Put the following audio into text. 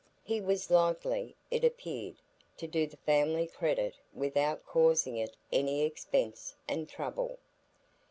He was likely, it appeared, to do the family credit without causing it any expense and trouble.